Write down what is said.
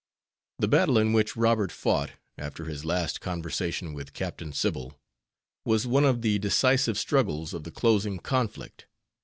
The battle in which Robert fought, after his last conversation with Captain Sybil, was one of the decisive struggles of the closing conflict.